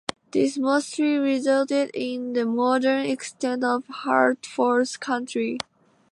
This mostly resulted in the modern extent of Hartford County.